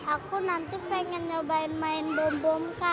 aku nanti pengen nyobain main bom bom kan